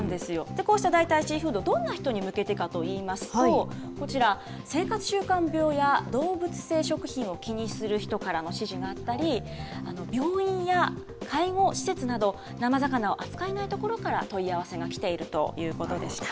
こうした代替シーフード、どんな人に向けてかといいますと、こちら、生活習慣病や動物性食品を気にする人からの支持があったり、病院や介護施設など、生魚を扱えない所から問い合わせが来ているということでした。